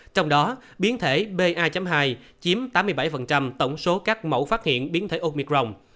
trong đó biến thể ba hai kiếm tám mươi bảy tổng số các mẫu phát hiện biến thể omicron